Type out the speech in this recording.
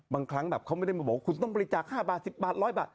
บางครั้งแบบเขาไม่ได้มาบอกว่าคุณต้องบริจาค๕บาท๑๐บาท๑๐๐บาท